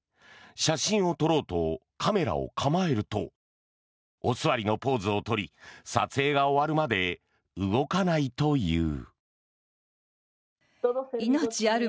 写真を撮ろうとカメラを構えるとお座りのポーズを取り撮影が終わるまで動かないという。